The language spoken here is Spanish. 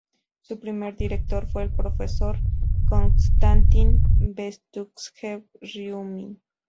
Su primer director fue el profesor Konstantín Bestúzhev-Riumin.